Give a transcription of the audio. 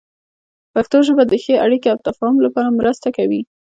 پښتو ژبه د ښې اړیکې او تفاهم لپاره مرسته کوي.